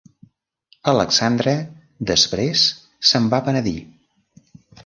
Alexandre després se'n va penedir.